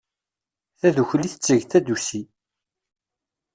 Tadukli tetteg tadusi.